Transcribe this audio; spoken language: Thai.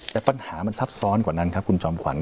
แต่ปัญหามันซับซ้อนกว่านั้นครับคุณจอมขวัญ